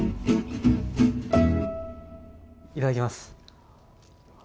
いただきます！